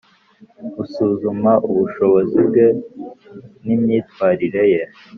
Usuzuma ubushobozi bwe n imyitwarire ye